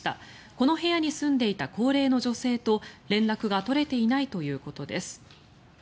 この部屋に住んでいた高齢の女性と連絡が取れていないということです。